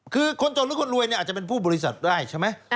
คือคนจนหรือคนรวยเนี่ยอาจจะเป็นผู้บริษัทได้ใช่ไหม